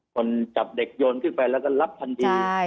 คนจับเด็กโยนขึ้นไปแล้วก็รับทันที